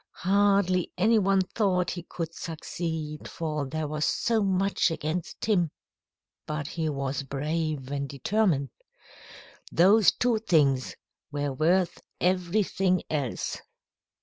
Hardly any one thought he could succeed, for there was so much against him. But he was brave and determined. Those two things were worth everything else."